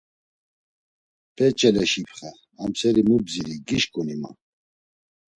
Be Çeleşipxe, amseri mu bziri gişǩuni, ma.